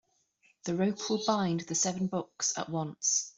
The rope will bind the seven books at once.